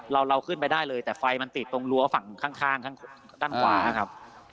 เราขึ้นไปได้เลยแต่ไฟมันติดตรงรั้วฝั่งข้างด้านขวาครับ